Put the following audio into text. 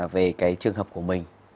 về cái trường hợp của mình